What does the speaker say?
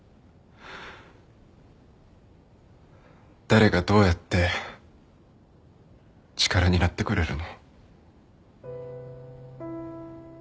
誰がどうやって力になってくれるの？